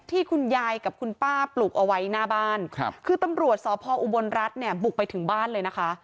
คุณยายกับคุณป้าปลูกเอาไว้หน้าบ้านครับคือตำรวจสพออุบลรัฐเนี่ยบุกไปถึงบ้านเลยนะคะ